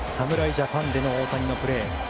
ジャパンでの大谷のプレー。